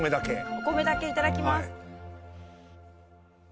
お米だけいただきます。